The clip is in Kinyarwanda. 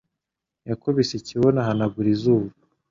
Yakubise ikibuno ahanagura izuru.